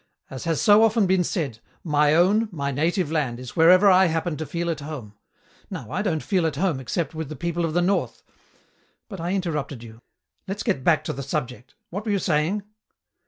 "As has so often been said, 'My own, my native land is wherever I happen to feel at home.' Now I don't feel at home except with the people of the North. But I interrupted you. Let's get back to the subject. What were you saying?"